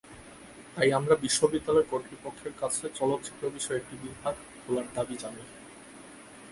তাই আমরা বিশ্ববিদ্যালয় কর্তৃপক্ষের কাছে চলচ্চিত্র বিষয়ে একটি বিভাগ খোলার দাবি জানাই।